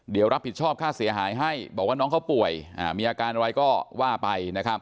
เดี๋ยวรับผิดชอบค่าเสียหายให้บอกว่าน้องเขาป่วยมีอาการอะไรก็ว่าไปนะครับ